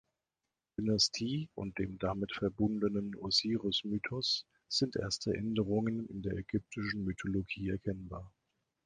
Dynastie und dem damit verbundenen Osirismythos sind erste Änderungen in der ägyptischen Mythologie erkennbar.